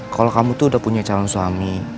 kalau kamu tuh udah punya calon suami